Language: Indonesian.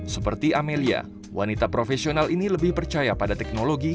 seperti amelia wanita profesional ini lebih percaya pada teknologi